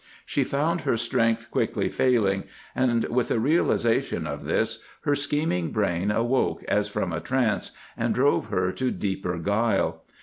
She found her strength quickly failing, and with a realization of this her scheming brain awoke as from a trance, and drove her to deeper guile.